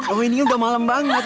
oh ini udah malam banget